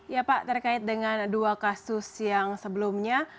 ya pak terkait dengan dua kasus yang sebelumnya